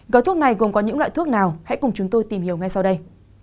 gói thuốc này gồm có những loại thuốc nào hãy cùng chúng tôi tìm hiểu ngay sau đây